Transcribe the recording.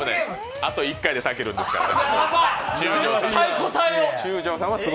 あと１回で、たけるんですからね。